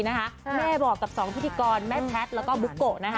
แต่แม่บอกกับสองพิธีกรแม่แพทแล้วก็บุ๊กโก